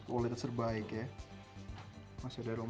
kualitas terbaik ya masih ada romo